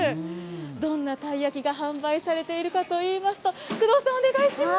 どんなたい焼きが販売されているかといいますと、工藤さん、お願いします。